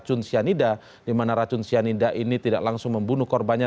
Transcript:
racun cyanida di mana racun cyanida ini tidak langsung membunuh korbannya